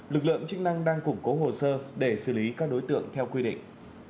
lực lượng chức năng đang củng cố hồ sơ để xử lý các đối tượng theo quy định